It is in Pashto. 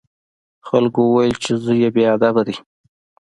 خلکو وویل چې زوی یې بې ادبه دی.